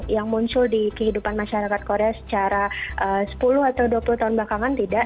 yang muncul di kehidupan masyarakat korea secara sepuluh atau dua puluh tahun belakangan tidak